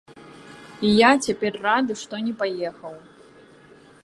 І я цяпер рады, што не паехаў!